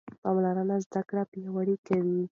پاملرنه زده کړه پیاوړې کوي.